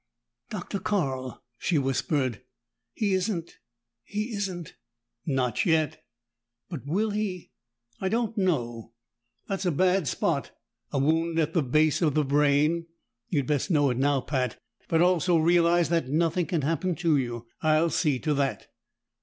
"Dr. Carl!" she whispered. "He isn't he isn't " "Not yet." "But will he ?" "I don't know. That's a bad spot, a wound in the base of the brain. You'd best know it now, Pat, but also realize that nothing can happen to you. I'll see to that!"